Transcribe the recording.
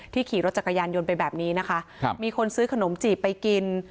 ขี่รถจักรยานยนต์ไปแบบนี้นะคะครับมีคนซื้อขนมจีบไปกิน